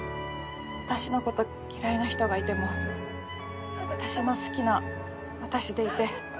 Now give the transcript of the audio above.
私のこと嫌いな人がいても私の好きな私でいて。